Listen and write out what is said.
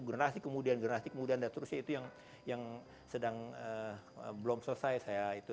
generasi kemudian generasi kemudian dan seterusnya itu yang sedang belum selesai saya itu